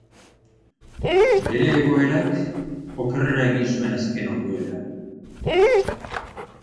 Bere egoerak okerrera egin zuen azken orduetan.